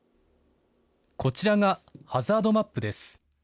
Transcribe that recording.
こちらがハザードマップです。